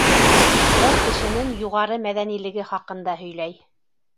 Был кешенең юғары мәҙәнилеге хаҡында һөйләй.